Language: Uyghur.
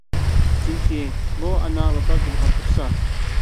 چۈنكى بۇ ئانا ۋاپات بولغان تۇرسا.